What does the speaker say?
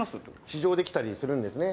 試乗できたりするんですね。